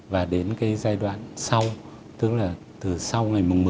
và đến cái giai đoạn sau tức là từ sau ngày mùng một mươi